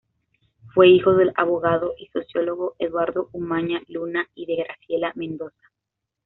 Fue hijo del abogado y sociólogo Eduardo Umaña Luna y de Graciela Mendoza.